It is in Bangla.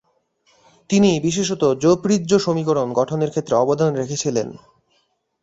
তিনি বিশেষত জ্যোপ্রিৎজ সমীকরণ গঠনের ক্ষেত্রে অবদান রেখেছিলেন।